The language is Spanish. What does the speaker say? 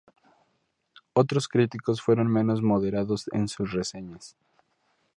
Otros críticos fueron menos moderados en sus reseñas.